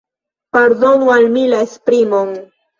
Pardonu al mi la esprimon.